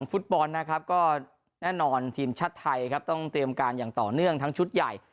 ฟุตบอลนะครับก็แน่นอนทีมชาติไทยครับต้องเตรียมการอย่างต่อเนื่องทั้งชุดใหญ่